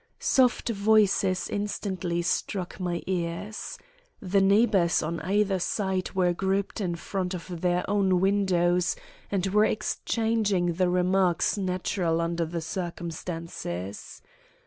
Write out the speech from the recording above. Soft voices instantly struck my ears. The neighbors on either side were grouped in front of their own windows, and were exchanging the remarks natural under the circumstances.